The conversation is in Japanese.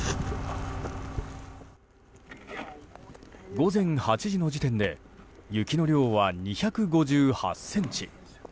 午前８時の時点で雪の量は２５８ｃｍ。